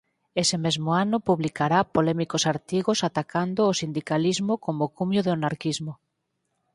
Ese mesmo ano publicará polémicos artigos atacando o sindicalismo como cumio do anarquismo.